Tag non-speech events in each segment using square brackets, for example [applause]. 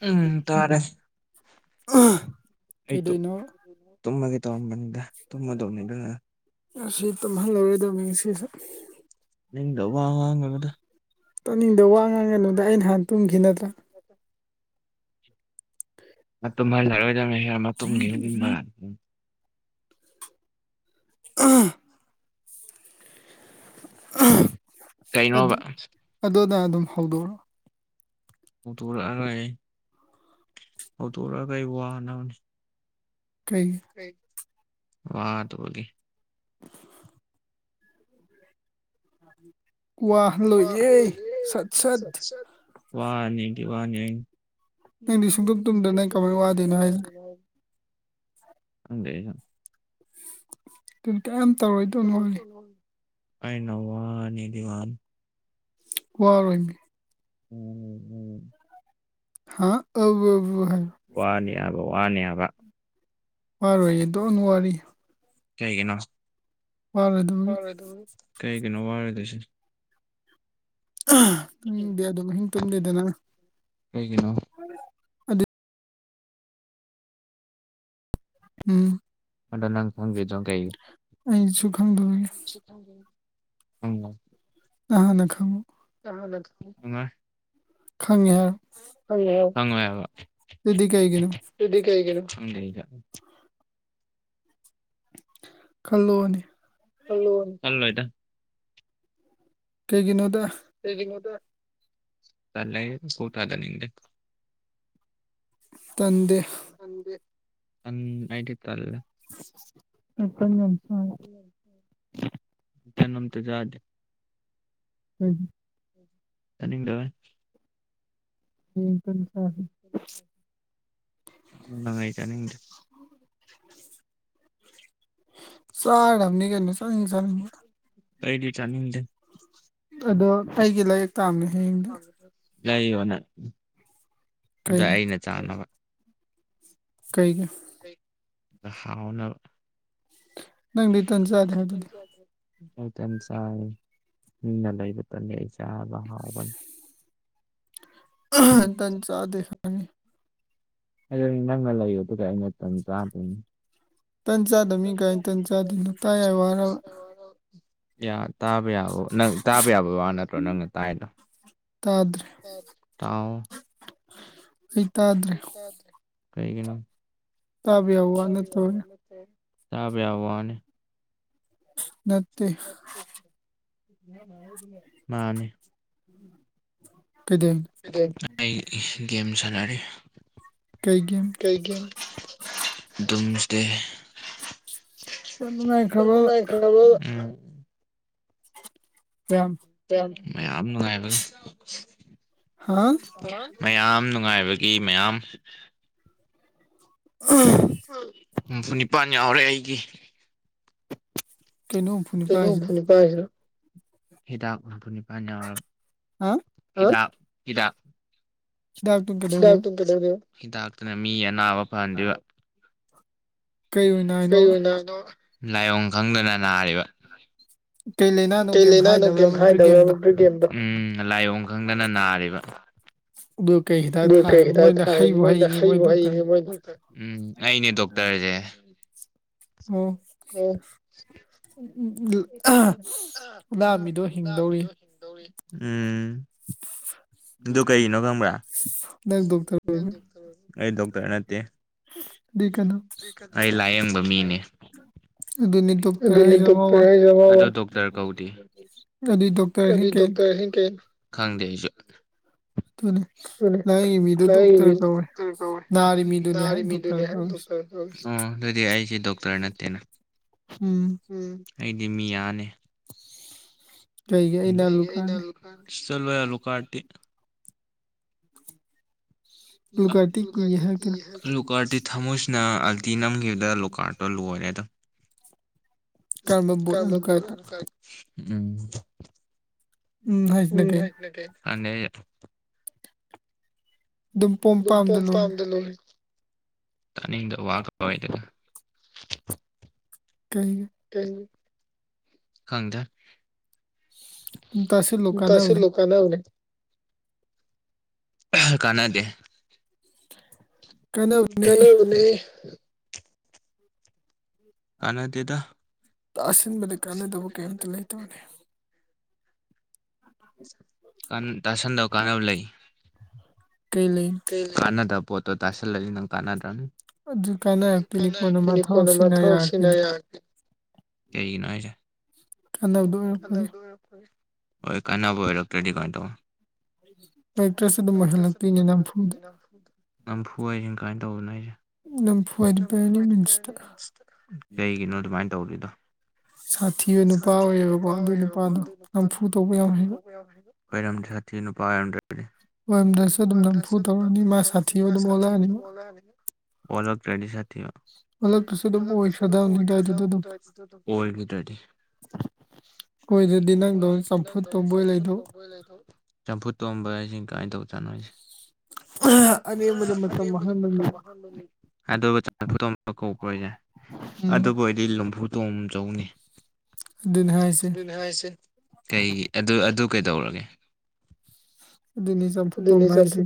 ꯎꯝ ꯇꯥꯔꯦ ꯎꯝ ꯑꯩ ꯀꯩꯗꯣꯏꯅꯣ ꯇꯨꯝꯃꯒꯦ ꯇꯧꯔꯝꯕꯅꯤꯗ ꯇꯨꯝꯃꯗꯧꯅꯤꯗꯅꯥ ꯉꯁꯤ ꯇꯨꯝꯍꯜꯂꯔꯣꯏꯗꯕꯅꯤ ꯉꯁꯤꯁꯨ ꯅꯥꯡꯗꯕ ꯋꯥ ꯉꯥꯡꯒꯅꯨꯗꯥ ꯇꯥꯅꯤꯡꯗ ꯋꯥ ꯉꯥꯡꯒꯅꯨꯗ ꯑꯩꯅ ꯅꯍꯥꯟ ꯇꯨꯝꯈꯤ ꯅꯠꯇ꯭ꯔꯥ [unintelligible] [unintelligible] [unintelligible] ꯀꯩꯅꯣꯕ ꯑꯗꯨꯅꯥ ꯑꯗꯨꯝ ꯍꯧꯗꯣꯔꯛꯑꯣ [unintelligible] ꯍꯧꯗꯥꯛꯔꯛꯑꯒ ꯑꯩ ꯋꯥꯅꯕꯅꯤ ꯀꯩ ꯋꯥꯗꯨꯕꯨꯗꯤ [unintelligible] ꯀꯋꯥꯍꯜꯂꯣꯏꯌꯦ ꯁꯠ ꯁꯠ ꯋꯥꯅꯦꯗꯤ ꯋꯥꯈꯜ ꯅꯪꯗꯤ ꯁꯨꯡꯇꯨꯝ ꯇꯨꯝꯗꯅ ꯅꯪ ꯀꯃꯥꯏꯅ ꯋꯥꯗꯣꯏꯅꯣ ꯍꯥꯏꯁꯦ ꯍꯥꯏꯕ [unintelligible] ꯈꯪꯗꯦ ꯑꯩꯅ ꯑꯗꯨ ꯀꯩꯝ ꯇꯧꯔꯣꯏ ꯋꯥꯔꯣꯏ ꯃꯤ [unintelligible] ꯎꯝ ꯎꯝ ꯎꯝ [unintelligible] ꯍꯥꯏꯌꯨ ꯋꯥꯅꯤ ꯑꯥꯕ ꯋꯥꯅꯤ ꯑꯕꯥ ꯋꯥꯔꯣꯏꯌꯦ ꯗꯣꯟ ꯋꯥꯔꯤ ꯀꯩꯒꯤꯅꯣ ꯋꯥꯔꯣꯏꯗꯕꯒꯤ ꯋꯥꯔꯣꯏꯗꯣꯔꯤ ꯀꯩꯒꯤꯅꯣ ꯋꯥꯔꯣꯏꯗꯣꯏꯁꯦ [unintelligible] ꯇꯨꯝꯗꯦ ꯑꯗꯨꯝ ꯑꯍꯤꯡ ꯇꯨꯝꯗꯦꯗꯅ ꯀꯩꯒꯤꯅꯣ [unintelligible] ꯎꯝ ꯑꯗꯣ ꯅꯪ ꯈꯪꯗ꯭ꯔꯤꯗꯣ ꯑꯩꯁꯨ ꯈꯪ [unintelligible] ꯅꯪ ꯍꯥꯟꯅ ꯈꯪꯉꯨ [unintelligible] ꯅꯨꯡꯉꯥꯢ ꯈꯪꯉꯦ ꯍꯥꯏꯔꯣ [unintelligible] ꯑꯗꯨꯗꯤ ꯀꯩꯒꯤꯅꯣ ꯑꯗꯨꯗꯤ ꯀꯩꯒꯤꯅꯣ ꯈꯪꯗꯦ ꯑꯩꯒꯥ ꯈꯜꯂꯣꯅꯦ [unintelligible] ꯀꯩꯒꯤꯅꯣꯗ ꯆꯂ ꯀꯠꯇꯗ ꯅꯤꯡꯗꯦ ꯇꯟꯗꯦ ꯥꯏꯠ ꯏꯠꯇꯂ ꯇꯟ ꯎꯝ ꯌꯥꯝ ꯆꯥꯏ [unintelligible] ꯇꯥꯅꯤꯡꯇꯕꯩ ꯎꯝ ꯑꯩ ꯇꯥꯅꯤꯡꯗꯦ ꯆꯥꯔꯗꯝꯅꯤ ꯀꯩꯅꯣ ꯆꯥꯅꯤꯡ ꯆꯥꯅꯤꯡꯕ ꯑꯩꯗꯤ ꯆꯥꯅꯤꯡꯗꯦ ꯑꯗꯣ ꯑꯩꯒꯤ ꯂꯩꯔꯤꯛ ꯇꯥꯝꯅꯦ ꯍꯌꯦꯡꯗꯦ ꯂꯩꯌꯣꯅꯪ ꯑꯗ ꯀꯩꯒꯤ ꯑꯩꯅ ꯆꯥꯅꯕ ꯀꯩꯒꯤ ꯑ ꯍꯥꯎꯅꯕ ꯅꯪꯗꯤ ꯇꯟ ꯆꯥꯗꯦ ꯍꯥꯏꯗꯨꯗꯤ ꯑꯩꯇ ꯆꯥꯏꯟꯅ ꯂꯩꯕꯇꯅꯤ ꯑꯩ ꯆꯥꯕ ꯍꯥꯎꯕꯅꯤ ꯇ ꯆꯥꯗꯦ ꯈꯅꯤ ꯍ ꯅꯪꯜ ꯂ ꯌ ꯇꯨ ꯀꯥꯏ ꯅꯠꯇ ꯆꯥꯍ ꯇ ꯇꯟ ꯆꯥꯗꯕ ꯃꯤ ꯀꯥꯏꯅ ꯇꯟ ꯆꯥꯗꯣꯏꯅꯣ ꯇꯥ ꯌꯥꯏ ꯋꯥꯔꯕ [unintelligible] ꯇꯥꯕ ꯌꯥꯕ ꯅꯪ ꯇꯥꯕ ꯌꯥꯕꯕꯥ ꯅꯠꯇ꯭ꯔꯣ ꯅꯪꯅ ꯇꯥꯏꯗꯣ ꯇꯥꯗ꯭ꯔ ꯇ ꯑꯩ ꯇꯥꯗ꯭ꯔꯦ ꯀꯩꯒꯤꯅ [unintelligible] [unintelligible] ꯅꯠꯇꯦ ꯃꯥꯅꯦꯅꯤ ꯎꯝ ꯀ ꯦꯁꯅꯔꯦ ꯀꯩꯒꯤ ꯀ ꯌꯥꯝ ꯗꯨꯝ ꯗꯦ ꯅꯨꯡꯉꯥꯏꯈ꯭ꯔꯕ ꯕꯨ ꯌꯥꯝ [unintelligible] ꯍꯥ ꯃꯌꯥꯝ ꯅꯨꯡꯉꯥꯏꯕꯒꯤ ꯃꯌꯥꯝ [unintelligible] ꯍꯨꯝꯐꯨꯅꯤꯄꯥꯥꯟ ꯌꯥꯎꯔꯦ ꯑꯩꯒꯤ ꯀꯩꯅꯣ ꯍꯨꯝꯐꯨ ꯅꯤꯄꯥꯜ ꯅ ꯍꯥꯏꯁꯤꯅ ꯐꯅ ꯍꯥ [unintelligible] ꯏꯗ ꯍꯤꯗꯥꯛꯇꯨ ꯀꯩꯗꯧꯗꯣꯏꯕ ꯍꯤꯗꯥꯛꯇꯨꯅ ꯃꯤ ꯑꯅꯥꯕ ꯐꯍꯟꯗꯣꯏꯕ ꯀꯩ ꯑꯣꯏꯅ ꯎ ꯍꯥꯏꯅꯣ ꯀꯩ ꯑꯣꯏꯅꯥ ꯅꯥꯏꯅꯣꯕ ꯂꯥꯏꯑꯣꯡ ꯈꯪꯗꯅ ꯅꯥꯔꯤꯕ ꯀꯩ ꯂꯥꯏꯅꯥꯅꯣ ꯀꯩꯝ ꯍꯥꯏꯗꯕ꯭ꯔꯕ ꯕ꯭ꯔꯤꯒꯦꯝꯗꯣ ꯎꯝ ꯂꯥꯏꯑꯣꯡ ꯈꯪꯗꯅ ꯅꯥꯔꯤꯕ ꯑꯗꯨ ꯀꯩ ꯍꯤꯗꯥꯛ ꯑꯗꯨ ꯀꯩ ꯊꯥꯏ ꯍꯈꯤꯗ ꯃꯣꯏꯅ ꯊꯥꯏ ꯍꯩꯕꯨ ꯃꯣꯏꯅ ꯍꯩꯔꯦ ꯃꯣꯏ ꯍꯩꯕ ꯗꯣꯛꯇꯔ ꯍꯩꯅꯦ ꯃꯣꯏ ꯑꯩꯅꯦ ꯗꯣꯛꯇꯔꯁꯦ ꯑꯣ ꯑꯣ [unintelligible] ꯂꯥꯝꯃꯤꯗꯣ ꯍꯤꯡꯗꯧꯔꯤ ꯂꯥꯛꯕꯗꯣ ꯍꯤꯡꯗꯧꯔꯤ ꯎꯝ ꯑꯗꯨ ꯀꯩꯒꯤꯅꯣ ꯈꯪꯕ꯭ꯔꯥ ꯅꯪ ꯗꯣꯛꯇꯔ ꯑꯣꯏꯕꯗꯤ ꯑꯩ ꯗꯣꯛꯇꯔ ꯍꯅꯠꯇꯦ ꯀꯩꯅꯣ ꯑꯩ ꯂꯥꯏꯌꯦꯡꯕ ꯃꯤꯅꯦ ꯑꯗꯨꯅꯤ ꯑꯗꯨ ꯗꯣꯛꯇꯔ ꯍꯥꯏꯁꯦ ꯑꯉꯥꯎꯕ ꯀ ꯗꯣꯛꯇꯔ ꯑꯗꯨꯏ ꯗꯣꯛꯇꯔꯁꯤꯡ ꯀꯩꯅꯣ ꯀꯅ ꯈꯪꯗꯦ ꯑꯩꯁꯨ ꯑꯗꯨꯅꯦ ꯑꯗꯨꯅꯦ ꯃꯤ ꯗꯣꯛꯇꯔ ꯀꯧꯋꯦ ꯅꯥꯔꯤ ꯅꯥꯔꯤꯕ ꯃꯤꯗꯨꯅꯦ ꯍꯥꯏ ꯃꯤꯗꯨꯅꯦ ꯗꯣꯛꯇꯔ ꯀꯧꯔꯤꯁꯦ ꯗꯣꯛꯇꯔ ꯑꯣ ꯑꯗꯨꯗꯤ ꯑꯩꯁꯦ ꯗꯣꯛꯇꯔ ꯅꯠꯇꯦꯅ ꯎꯝ ꯑꯩꯗꯤ ꯃꯤꯌꯥꯅꯦ ꯀꯩꯒ ꯅ ꯂꯨ ꯀꯥꯟ ꯆꯂꯋꯥ ꯌꯥ ꯂꯨ ꯀꯥꯇꯤ ꯂꯨꯀꯥꯏꯇ ꯀ ꯍꯥꯏ ꯀꯔ ꯂꯨꯀꯥꯔꯗꯤ ꯊꯃꯣꯏꯁꯤꯅ ꯑꯜꯇꯤ ꯅꯝꯈꯤꯕꯗ ꯂꯨꯀꯥꯔꯗꯣ ꯂꯣꯏꯔꯦ ꯑꯗꯨꯝ [unintelligible] [unintelligible] ꯎꯝ ꯍꯥꯏꯁꯤꯅ ꯀꯩꯅꯣ ꯎꯝ ꯑꯗꯨꯝ ꯄꯣꯝ ꯄꯥꯝꯗ ꯂꯣꯏꯔꯦ [unintelligible] ꯇꯅꯤꯗ ꯋꯥ ꯀꯧꯑꯗꯨꯗꯣ ꯀꯩꯒꯤ ꯈꯪꯗ ꯇꯁ ꯂꯨ ꯀꯥꯟꯅ ꯑꯃꯅꯤꯅꯤ ꯀꯃꯦꯅꯦ ꯀ ꯀꯥꯟꯅꯗꯦ [unintelligible] ꯀꯥꯟꯅꯗꯦꯗ ꯇꯥꯁꯅ ꯃꯗꯨ ꯀꯥꯟꯅ ꯇꯧꯕ ꯀꯩꯝꯇ ꯂꯩ ꯇꯕꯅꯤ ꯇꯥꯁꯟꯗꯕ ꯀꯥꯟꯅꯕ ꯂꯩ ꯀꯩ ꯂꯩ ꯀꯥꯟꯅꯗ ꯄꯣꯠꯇ ꯇꯥꯁꯜ ꯅꯪ ꯀꯥꯟꯅꯗꯅꯤ ꯑꯗꯨ ꯀꯥꯟꯅꯔꯛꯇꯣꯏꯅꯤ ꯀꯣꯟꯅ ꯃꯥ ꯅꯤꯄꯣꯟꯅ ꯊꯕꯛꯁꯤꯅ ꯃꯊꯧꯣꯛ ꯁꯤꯅꯦ ꯌꯥꯔꯛꯇꯣꯏꯅꯤ ꯀꯒꯤꯅꯣ ꯀꯥꯟꯅꯕꯗꯣ ꯑꯣꯏꯔꯛꯄꯒꯤ ꯍꯣꯏ ꯀꯥꯟꯅꯕ ꯑꯣꯏꯔꯛꯇ꯭ꯔꯗꯤ ꯀꯃꯥꯏꯅ ꯇꯧ ꯍꯛꯇꯔꯁꯨ ꯑꯗꯨꯝ ꯑꯣꯏꯍꯜꯂꯛꯇꯣꯏꯅꯦ ꯅꯝ ꯐꯨꯗ [inaudible] ꯅꯝꯐꯨ ꯍꯥꯏꯁꯤ ꯀꯃꯥꯏꯅ ꯇꯧꯕꯗꯅꯣ ꯅꯝꯐꯨ ꯍꯥꯏꯗꯤ ꯕꯥꯏ ꯑꯦꯅꯤ ꯃꯤꯟꯁꯇ ꯑꯩꯁꯦ ꯀꯩꯒꯤꯅꯣ ꯑꯗꯨꯃꯥꯏꯅ ꯇꯧꯔꯤꯗꯣ ꯁꯥꯊꯤ ꯑꯣꯏꯅ ꯅꯨꯄꯥ ꯑꯣꯏꯌꯦꯕꯀꯣ ꯑꯗꯨ ꯅꯨꯄꯥꯗꯣ ꯅꯝꯐꯨ ꯇꯧꯕ ꯌꯥꯝ ꯍꯩꯕ ꯑꯣꯏꯣꯏꯔꯝꯗꯤ ꯁꯥꯊꯤ ꯅꯨꯄꯥꯥꯏꯔꯝꯗ ꯎꯝꯁꯅ ꯑꯣꯏꯔꯝꯗ꯭ꯔꯁꯨ ꯐ ꯑꯗꯨꯝ ꯇ ꯅꯝꯐꯨ ꯇꯧꯔꯅꯤ ꯃꯥ ꯁꯥꯊꯤꯕ ꯑꯗꯨꯝ ꯑꯣꯜꯂꯛꯑꯅꯤ ꯃꯥ ꯁꯥꯣꯂꯅꯤ ꯑꯣ ꯀ꯭ꯔꯦꯗꯤꯁꯔ ꯊꯤ ꯑꯣꯜꯂꯛꯇ꯭ꯔꯁꯨ ꯑꯗꯨꯝ ꯑꯣꯏꯈ꯭ꯔꯗꯕꯅꯤ ꯑꯗꯨꯋꯥꯏꯗꯨꯗ ꯑꯗꯨꯝ ꯣ [inaudible] ꯅꯪꯗꯧꯅ ꯆꯝꯐꯨꯠ ꯁ ꯇꯧꯕꯣꯏ ꯂꯩꯗꯧ ꯃꯣꯏ ꯂꯥꯏꯣ ꯆꯝꯐꯨ ꯇꯣꯝꯕ ꯍꯥꯏꯁꯤꯡ ꯀꯃꯥꯏꯅ ꯇꯧ ꯆꯥꯠꯅꯣ ꯑꯩꯁꯦ ꯑꯅ ꯃꯗꯨ ꯃꯇꯝ ꯃ ꯑꯗꯨꯒ ꯆꯅꯤꯐꯨꯇꯣꯝ ꯀꯧꯕꯣꯁꯦ ꯎꯝ ꯑꯗꯨꯕꯨ ꯑꯣꯏꯗꯤ ꯂꯨꯝꯐꯨꯇꯣꯡꯝ ꯆꯧꯅꯤ ꯑꯗꯨꯅꯤ ꯍꯥꯏꯁꯦ ꯀꯩꯒꯤ ꯑꯗꯨ ꯑꯗꯨ ꯀꯩꯗꯧꯔꯒꯦ ꯑꯗꯨꯅꯤ ꯆꯝꯐꯨꯠ ꯇꯧꯕ ꯍꯥꯏꯁꯦ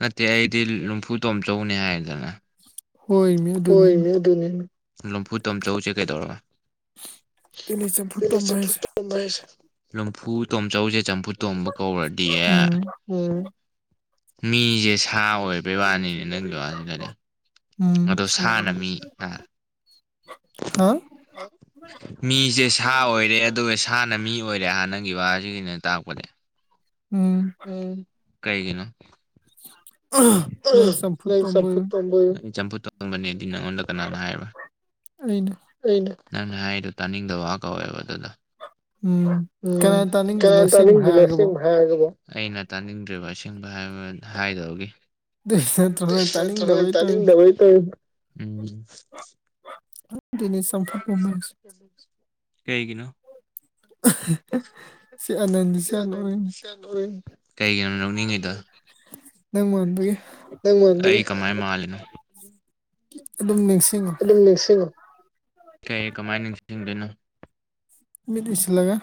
ꯅꯠꯇꯦ ꯑꯩꯗꯤ ꯂꯨꯝꯐꯨ ꯇꯣꯝꯆꯧꯅꯤ ꯍꯥꯏꯗꯅ ꯍꯣꯏꯃꯤ ꯑꯗꯨꯅꯤ ꯑꯣꯏꯣꯏꯅꯦ ꯑꯗꯨꯅꯦꯅꯦ ꯂꯝꯐꯨ ꯇꯣꯝ ꯆꯧꯁꯦ ꯀꯩꯗꯧꯔ ꯑꯗꯨꯅꯤ ꯆꯝꯐꯨꯠ ꯇꯧꯕ ꯍꯥꯏꯁꯦ ꯂꯝꯐꯨ ꯇꯣꯝꯆꯧꯁꯦ ꯆꯝꯐꯨꯠ ꯇꯣꯝꯕ ꯀꯧꯔꯗꯤꯌꯦ ꯎꯝ ꯎ ꯃꯤꯁꯦ ꯁꯥꯋꯦ ꯄꯩꯕꯥꯅꯤꯅꯦ ꯅꯪꯒꯤꯁꯤ ꯀꯅꯦ ꯎꯝ ꯍꯥ ꯍ ꯃꯤꯁꯦ ꯁꯥ ꯑꯣꯏꯔꯦ ꯑꯗꯨꯒ ꯁꯥꯅ ꯃꯤ ꯑꯣꯏꯔꯦ ꯍꯥꯟꯅꯪꯒꯤ ꯕꯥꯁꯤꯒꯤꯅ ꯇꯥꯛꯄꯅꯦ [inaudible] ꯎꯝ ꯎꯝ ꯀꯩꯒꯤꯅꯣ ꯑꯝ ꯅꯪ ꯆꯝꯐꯨꯠ ꯄꯥꯝꯕꯅꯦ ꯑ ꯑꯩ ꯆꯝꯐꯨꯠ ꯄꯥꯝꯕꯅꯦ ꯗꯤ ꯅꯪꯉꯣꯟꯗ ꯀꯅꯥꯅꯣ ꯍꯥꯏꯔꯤꯕ ꯑꯩꯅ ꯑꯩꯅ ꯅꯪꯅ ꯍꯥꯏꯔꯤꯗꯣ ꯇꯥꯅꯤꯡꯗꯕ ꯀꯧꯋꯦꯕ ꯑꯗꯨꯗꯣ ꯎꯝ ꯎꯝ ꯀꯅꯥ ꯀꯅꯥ ꯇꯥꯅꯤꯡꯗꯣꯏꯅꯣ ꯑꯁꯦꯡꯕ ꯇꯥꯅꯤꯡꯗꯣꯏꯅꯣ ꯍꯥꯏꯔꯒꯕꯣ ꯑꯁꯦꯡꯕ ꯍꯥꯏ ꯍꯥꯏꯕꯗꯒꯤ ꯑꯩꯅ ꯇꯥꯅꯤꯡꯗ꯭ꯔꯤꯕ ꯑꯁꯦꯡꯕ ꯍꯥꯏꯕ ꯍꯥꯏꯗꯕꯒꯤ ꯑꯗꯨꯏ ꯅꯠꯇ꯭ꯔꯣ ꯅꯪ ꯇꯥꯅꯤꯡꯗꯕꯩ ꯂꯧꯁꯤꯟꯕ ꯇꯧꯔꯤꯗꯣ ꯉꯝꯗꯕ ꯎꯝ ꯁꯝꯊꯄ ꯀꯩꯒꯤꯅꯣ ꯁꯤ ꯑꯅꯗꯤꯁꯤꯅꯟ [inaudible] ꯀ ꯀꯃꯥꯏ ꯃꯥꯜꯅ ꯑꯗꯨꯝ ꯅꯤꯡꯁꯤꯡꯉꯣ ꯑꯗꯨꯝ ꯅꯤꯡꯁꯤꯡꯉ ꯀ ꯀꯃꯥꯏꯅ ꯅꯤꯡꯁꯤꯡꯗꯣꯏꯅꯣ ꯃꯤ ꯄꯤꯁ ꯂꯥꯛꯒ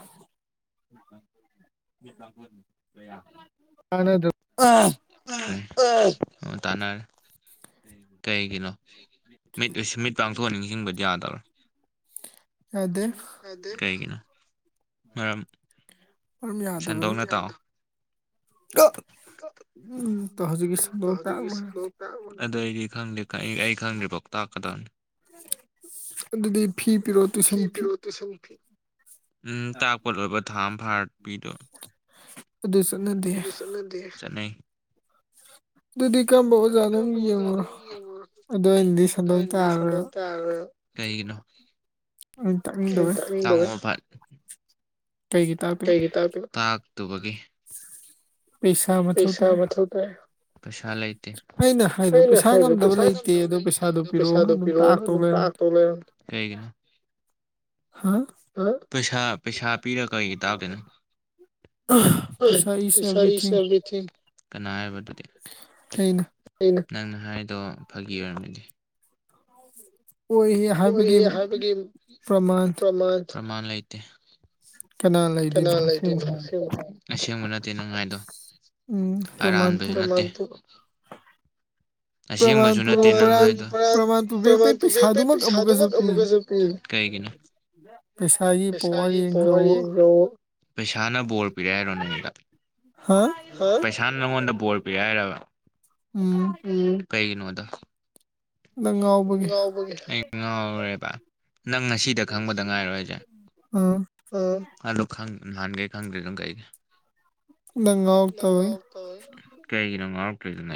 ꯑꯅ ꯑꯗꯨ ꯑꯣ ꯇꯥꯅꯔ ꯀꯩ ꯀꯩꯅꯣ ꯃꯤꯠ ꯃꯤꯠ ꯄꯥꯡꯊꯣꯛꯑ ꯅꯤꯡꯁꯤꯡꯕꯗꯤ ꯌꯥꯗꯕꯔꯥ ꯌꯥꯗꯦ ꯀꯩꯒꯤꯅꯣ ꯃꯔꯝ ꯃꯔꯝ ꯌꯥꯗꯕꯒꯤ ꯁꯟꯗꯣꯛꯅ ꯂꯧꯁꯤꯟꯕ ꯇꯥꯛꯑꯣ ꯉꯝꯗꯕ ꯎꯝ ꯇꯣ ꯍꯧꯖꯤꯛꯀꯤ ꯁꯛꯇꯣ ꯇꯥꯕ ꯌꯥꯗꯦ ꯑꯗꯨ ꯑꯩꯗꯤ ꯈꯪꯗꯦ ꯀꯥ ꯑꯩ ꯑꯩ ꯈꯪꯗ꯭ꯔꯤꯐꯥꯎ ꯇꯥꯛꯀꯗꯝꯅꯤ ꯑꯗꯨꯗꯤ ꯐꯤ ꯄꯤꯔꯛꯑꯣ ꯇꯨꯏꯁꯟ ꯐꯤ ꯇꯨꯏꯁꯟ ꯐꯤ ꯎꯝ ꯇꯥꯛꯄ ꯂꯣꯏꯕ ꯊꯥ ꯑꯝ ꯐꯥꯔ ꯄꯤꯗꯣꯏꯕ ꯑꯗꯨ ꯆꯠꯅꯗꯦ ꯗꯨ ꯆꯠꯅꯗꯦ ꯆꯠꯅꯩ ꯑꯗꯨꯗꯤ ꯀꯔꯝꯕ ꯑꯣꯖꯥꯅꯣꯝ ꯌꯦꯡꯉꯨꯔꯣ ꯑꯗꯣ ꯑꯩꯅꯗꯤ ꯁꯟꯗꯣꯛ ꯇꯥꯛꯑꯔꯣꯏꯕ ꯇꯥꯛꯑꯔꯣꯏꯕ ꯀꯩꯒꯤꯅꯣ ꯎꯝ ꯇꯥꯛꯅꯤꯡꯗꯕꯩ ꯇꯥꯡꯉꯣ ꯀꯩꯒꯤ ꯇꯥꯛꯇꯣꯏꯕ ꯀꯩꯒꯤ ꯇꯥꯛꯇꯣꯏꯕ ꯇꯥꯛꯇꯨꯕꯒꯤ ꯃꯊꯧ ꯄꯩꯁꯥ ꯇꯥꯏ ꯃꯊꯧ ꯇꯥꯏ ꯄꯩꯁꯥ ꯂꯩ ꯇꯦ ꯑꯩꯅ ꯍꯥꯏꯗꯣ ꯑꯩꯅ ꯄꯩꯁꯥ ꯍꯥꯏꯕ ꯉꯝꯗꯕ ꯄꯩꯁꯥ ꯂꯩꯇꯦ ꯉꯝꯗꯕ ꯑꯗꯣ ꯂꯩꯇꯦ ꯄꯩꯁꯥꯗꯣ ꯑꯗꯨ ꯄꯤꯔꯛꯑꯣ ꯄꯩꯁꯥꯗꯣ ꯑꯗꯨꯝ ꯄꯤꯔꯛꯑꯣ ꯇꯥꯛꯇꯧ ꯑꯗꯨꯝ ꯂꯩꯔꯝꯃꯦ ꯇꯥꯛꯇꯧ ꯂꯩꯔꯝ ꯀꯩꯒꯤꯅꯣ ꯍꯥꯥ ꯍꯥ ꯄꯩꯁꯥ ꯄꯩꯁꯥ ꯄꯤꯔ ꯀꯩꯒꯤ ꯇꯥꯛꯇꯣꯏꯅꯣ ꯑꯣꯏ ꯄꯩꯁꯥ ꯏꯁ ꯑꯦꯕ꯭ꯔꯤꯊꯤꯡ ꯀꯅꯥ ꯍꯥꯏꯔꯤꯕ ꯑꯗꯨꯗꯤ ꯑꯩꯅ ꯑꯩꯅ ꯅꯪꯅ ꯍꯥꯏꯔꯤꯗꯣ ꯐꯥꯒꯤ ꯑꯣꯏꯔꯝꯒꯅꯤ ꯑꯣꯏ ꯍꯥꯏꯕꯒꯤ ꯑꯣꯏꯌꯦ ꯍꯥꯏꯕꯒꯤ ꯄ꯭ꯔꯃꯥꯟ ꯄ꯭ꯔꯥꯃꯥꯟ ꯄ꯭ꯔꯥꯃꯥꯟ ꯂꯩꯇꯦ ꯀꯅꯥ ꯂꯩꯗꯣꯏꯅꯣ ꯑꯁꯦꯡꯕ ꯍꯥꯏ ꯑꯁꯦꯡꯕ ꯅꯠꯇꯦ ꯅꯪ ꯍꯥꯏꯗꯣ ꯎꯝ ꯄ꯭ꯔꯃꯥꯟ ꯑꯔꯥꯟꯕꯖꯨ ꯅꯠꯇꯦ ꯄ꯭ꯔꯃꯥꯟ ꯑꯁꯦꯡꯕꯖꯨ ꯄꯨꯔꯣ ꯅꯠꯇꯦ ꯅꯪ ꯄꯔꯥꯟ ꯍꯥꯏꯗꯣ ꯄ꯭ꯔꯃꯥꯟ ꯄ꯭ꯔꯥꯃꯥꯟ ꯄꯨꯕꯤꯔꯛꯄꯩ ꯄꯨꯕꯤꯔꯛꯄꯤ ꯄꯩꯁꯥꯗꯨꯃꯛ ꯁꯥꯗꯨꯃꯛ ꯄꯤ ꯑꯃꯨꯛꯀꯁꯨ ꯄꯤꯒꯦ ꯀꯩꯒꯤꯅꯣ ꯄꯩꯁꯥꯒꯤ ꯄꯋꯥꯔ ꯄꯩꯁꯥꯒꯤ ꯄꯋꯥꯔ ꯌꯦꯡꯖꯧꯋꯣ ꯌꯦꯡꯖꯧꯋꯣ ꯄꯩꯁꯥꯅ ꯕꯣꯔ ꯄꯤꯔꯦ ꯍꯥꯏꯔꯣ ꯅꯪꯉꯣꯟꯗ ꯍꯥ ꯄꯩꯁꯥꯅ ꯅꯪꯉꯣꯟꯗ ꯕꯣꯔ ꯄꯤꯔꯦ ꯍꯥꯏꯔꯥꯕ ꯎꯝ ꯎꯝ ꯀꯩꯒꯤꯅꯣ ꯑꯗꯣ ꯅꯪ ꯉꯥꯎꯕꯒꯤ ꯑꯩ ꯉꯥꯎꯔꯦꯕ ꯅꯪ ꯉꯁꯤꯗ ꯈꯪꯕꯗ ꯉꯥꯏꯔꯣ ꯍꯥꯏꯖꯦ ꯑꯥ ꯑꯥ ꯑꯗꯨ ꯈꯪ ꯅꯍꯥꯟꯒꯩ ꯈꯪꯗ꯭ꯔꯤꯗꯨꯅ ꯀꯩꯒꯤ ꯅꯪ ꯅꯪ ꯉꯥꯎꯔꯛꯇꯕꯒꯤ ꯉꯥꯎ ꯇꯧꯏ ꯀꯩꯒꯤꯅꯣ ꯉꯥꯎꯔꯛꯇꯣꯏꯗꯨꯅ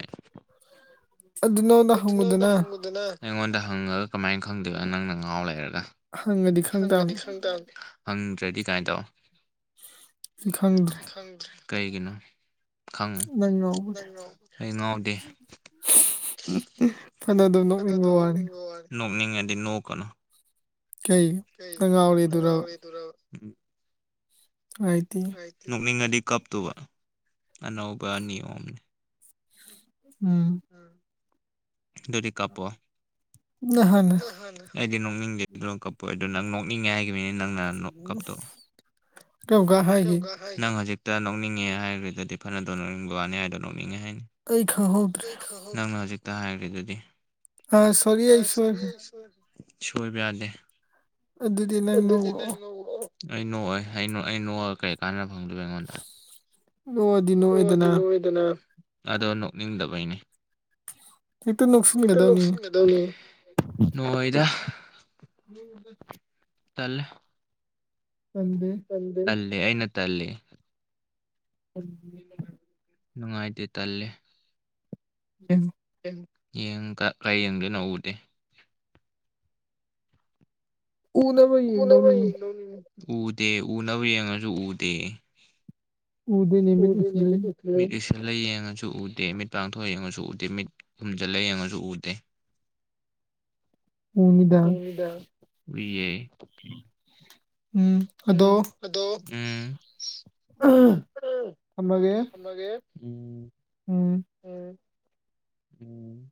ꯑꯗꯨ ꯅꯪ ꯑꯗꯨ ꯅꯪꯉꯣꯟꯗ ꯍꯪꯉꯨꯗꯅ ꯑꯩꯉꯣꯟꯗ ꯍꯪꯉꯒ ꯀꯃꯥꯏꯅ ꯈꯪꯗꯣꯏꯕ ꯅꯪꯅ ꯉꯥꯎ ꯂꯩꯔꯒ ꯍꯪꯉꯗꯤ ꯈꯪ ꯍꯪꯗ꯭ꯔꯗꯤ ꯇꯥꯕꯅꯤ ꯀꯃꯥꯏꯅ ꯇꯧ ꯎꯝ ꯈꯪꯗ꯭ꯔꯦ ꯑꯗꯨꯗꯤ ꯈꯪꯗ꯭ꯔꯦ ꯀꯩꯒꯤꯅꯣ ꯈꯪꯉꯨ ꯅꯪ ꯉꯥꯎꯕꯒꯤ ꯑꯩ ꯉꯥꯎꯗꯦ ꯐꯅꯗꯨꯝ ꯅꯣꯛꯅꯤꯡꯕ ꯋꯥꯅꯤꯗ ꯅꯣꯛꯅꯤꯡꯉꯗꯤ ꯅꯣꯛ ꯀꯅꯨ ꯎ ꯀꯩ ꯉ ꯉꯥꯎꯔꯤꯗꯨ ꯍꯥꯏꯗꯤ [unintelligible] ꯅꯣꯛꯅꯤꯡꯉꯗꯤ ꯀꯞꯇꯨꯕ ꯑꯅꯧꯕ ꯅꯤꯌꯣꯝꯅꯤ ꯎꯝ ꯑꯗꯨꯗꯤ ꯀꯞꯄꯣ ꯅꯍꯥꯟ ꯅꯪ ꯍꯥꯟꯅ ꯑꯩꯗꯤ ꯅꯣꯛꯅꯤꯡꯗꯦ ꯑꯗꯨꯅ ꯀꯞꯄꯣꯏ ꯑꯗꯨ ꯅꯪ ꯅꯣꯛꯅꯤꯡꯉꯦ ꯍꯥꯏꯒꯤꯕꯅꯤ ꯅꯪꯅ ꯅꯣꯛ ꯀꯞꯇꯣ ꯀꯔꯝꯀꯥꯟ ꯀꯔꯝ ꯍꯥꯏꯈꯤ ꯀꯥꯟ ꯍꯥꯏ ꯅꯪ ꯍꯧꯖꯤꯛꯇ ꯅꯣꯛꯅꯤꯡꯉꯦ ꯍꯥꯏꯒ꯭ꯔꯤꯗꯨꯗꯤ ꯐꯅꯗꯨꯝ ꯅꯣꯛꯅꯤꯡꯕ ꯋꯥꯅꯤ ꯍꯥꯏꯗꯣ ꯅꯣꯛꯅꯤꯡꯉꯦ ꯍꯥꯏꯅꯤ ꯑꯩ ꯈꯪꯍꯧꯗ꯭ꯔꯦ ꯑꯩ ꯈꯪꯍꯧ ꯅꯪꯅ ꯍꯧꯖꯤꯛꯇ ꯍꯥꯏꯒ꯭ꯔꯤꯗꯨꯗꯤ ꯑꯥꯏ ꯁꯣꯔꯤ ꯑꯩ ꯁꯣꯏꯒ꯭ꯔꯦ ꯁꯣꯏꯕ ꯌꯥꯗꯦ ꯑꯗꯨꯗꯤ ꯅꯪ ꯑꯗꯨꯗꯤ ꯅꯪ ꯅꯣꯛꯂꯛꯑꯣ ꯂꯧꯔꫭ ꯑꯩ ꯅꯣꯛꯑꫭꯏ ꯑꯩ ꯑꯩ ꯅꯣꯛꯑꯒ ꯀꯔꯤ ꯀꯥꯟꯅꯕ ꯐꯪꯗꯣꯏꯕ ꯑꯩꯉꯣꯟꯗ ꯅꯣꯛꯑꯗꯤ ꯅꯣꯛꯑꯦꯗꯅ ꯑꯗꯣ ꯅꯣꯛꯅꯤꯡꯗꯕꯩꯅꯦ ꯍꯦꯛꯇ ꯏ ꯅꯣꯛꯁꯤꯟꯒꯗꯕꯅꯤ ꯂꯁ [unintelligible] ꯅꯣꯛꯑꫭꯏꯗ ꯇꯟꯂ‌ꯦ ꯇꯟꯗꯦ ꯑ ꯑꯅꯠꯇ ꯑꯜꯂꯤ [unintelligible] ꯅꯨꯡꯉꯥꯏꯇꯦ ꯇꯜꯂꯦ [unintelligible] ꯌꯦꯡꯒ ‌ꯀꯩ ꯌ‌ꯦꯡꯗꫭꯏꯅꫭ ꯎꯗꯦ ꯎꯅꯕ ꯌꯦꯡꯗꯧꯅꯤꯅꯦ ꯎꯗꯦ ꯎꯅꯕ ꯌꯦꯡꯉꯁꯨ ꯎꯗꯦ ꯎꯗꯦꯅꯦ ꯃꯤꯠ ꯎꯏꯁꯤꯜꯂꯦ ꯃꯤꯠ ꯎꯏꯁꯤꯟꯂ ꯌꯦꯡꯉꯁꯨ ꯎꯗꯦ ꯃꯤꯠ ꯄꯥꯡꯊꯣꯛꯑ ꯌꯦꯡꯉꯁꯨ ꯎꯗꯦ ꯃꯤꯠ ꯈꯨꯝꯖꯤꯜꯂ ꯌꯦꯡꯉꯁꯨ ꯎꯗꯦ [inaudible] ꯕꯤꯑ [unintelligible] [unintelligible] [unintelligible] ꯎꯝ ꯑꯗꯣ ꯎꯝ ꯊꯝꯃꯒꯦ ꯎꯝ ꯎꯝ ꯎꯝ